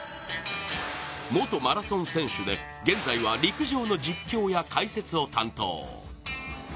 元マラソン選手で現在は陸上の実況や解説を担当。